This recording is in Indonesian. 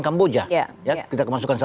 kita kemasukan satu